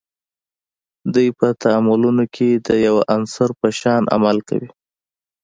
دوی په تعاملونو کې د یوه عنصر په شان عمل کوي.